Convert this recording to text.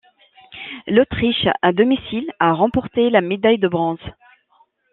L'Autriche, à domicile, a remporté la médaille de bronze.